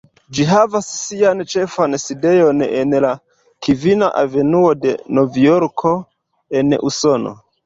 Ĝi havas sian ĉefan sidejon en la Kvina Avenuo de Novjorko en Usono.